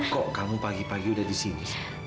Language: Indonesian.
kok kamu pagi pagi udah di sini